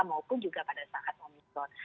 maupun juga pada saat omikron